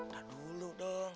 nah dulu dong